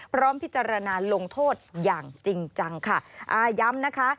พร้อมพิจารณาลงโทษอย่างจริงจังค่ะอ่าย้ำนะคะ